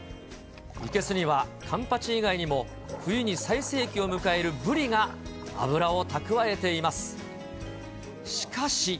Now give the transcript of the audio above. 生けすにはカンパチ以外にも、冬に最盛期を迎えるブリが脂を蓄えています。